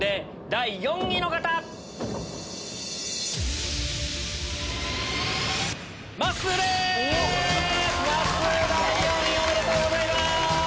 第４位おめでとうございます！